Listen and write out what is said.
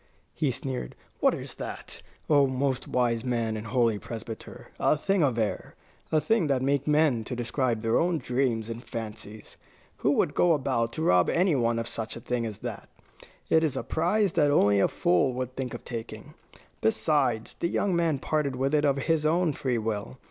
he sneered. "What is that, O most wise man and holy Presbyter? A thing of air, a thing that men make to describe their own dreams and fancies. Who would go about to rob any one of such a thing as that? It is a prize that only a fool would think of taking. Besides, the young man parted with it of his own free will.